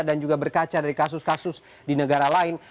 juga berkaca dari kasus kasus di negara lain